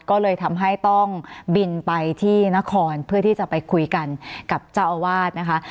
ก็เลยทำให้ต้องบินไปที่นครเพื่อที่จะไปคุยกันกับเจ้าอาวาสนะคะ